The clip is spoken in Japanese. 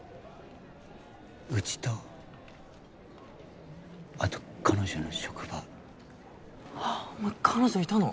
うちとあと彼女の職場お前彼女いたの？